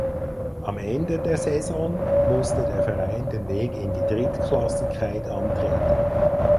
Am Ende der Saison musste der Verein den Weg in die Drittklassigkeit antreten.